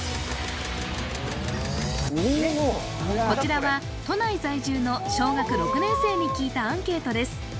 こちらは都内在住の小学６年生に聞いたアンケートです